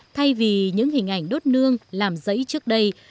thay vì những hình ảnh đốt nương làm dẫy trước đây